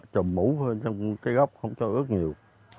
trùm mũ hơn trong cái gốc không cho ướt nhiều